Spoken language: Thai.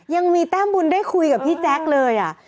ยังมีแต้มบุญได้คุยกับพี่แจ๊กเลยอ่ะ